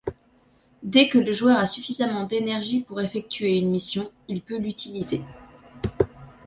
Dès que le joueur a suffisamment d'énergie pour effectuer une mission, il peut l'utiliser.